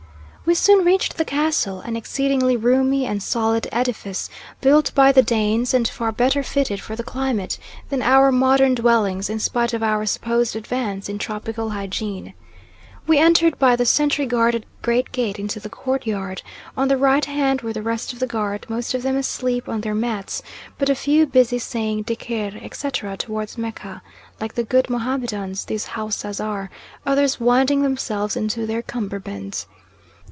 We soon reached the castle, an exceedingly roomy and solid edifice built by the Danes, and far better fitted for the climate than our modern dwellings, in spite of our supposed advance in tropical hygiene. We entered by the sentry guarded great gate into the courtyard; on the right hand were the rest of the guard; most of them asleep on their mats, but a few busy saying Dhikr, etc., towards Mecca, like the good Mohammedans these Haussas are, others winding themselves into their cummerbunds.